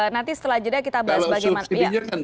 nanti setelah jeda kita bahas bagaimana